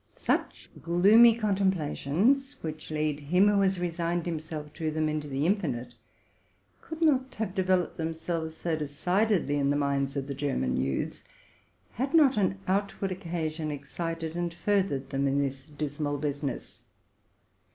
However, such gloomy contemplations, which lead him who has resigned himself to them into the infinite, could not have developed themselves so decidedly in the minds of the German youths, had not an outward occasion excited and furthered them in this dismal business.